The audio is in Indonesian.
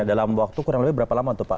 dalam waktu kurang lebih berapa lama tuh pak